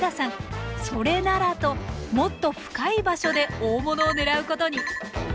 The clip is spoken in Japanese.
それならともっと深い場所で大物を狙うことに。